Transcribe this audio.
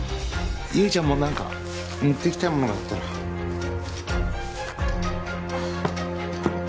悠依ちゃんも何か持って行きたいものがあったらあっ